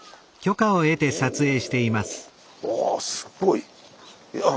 わあすごい。